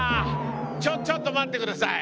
ちょっちょっと待ってください。